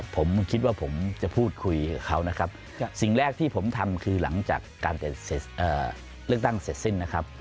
ผมคิดว่าผมจะพูดคุยกับเขานะครับสิ่งแรกที่ผมทำคือหลังจากการเลือกตั้งเสร็จสิ้นนะครับ